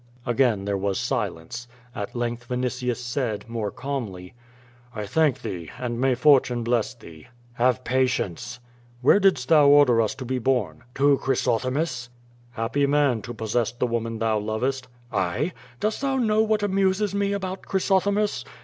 Again there was silence. At length Yinitius said, more calmly: "I thank thee, and may fortune bless thee." '*Have patience." '^Vhere didst thou order us to be borne?" "To Chrysothemis." ^llapjiy man, to possess the woman thou lovest." "I? Dost thou know what amuses me about Chrysothe mis?